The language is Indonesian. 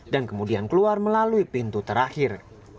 dan kemudian keluar melalui pintu terakhir